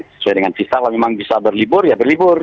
sesuai dengan visa kalau memang bisa berlibur ya berlibur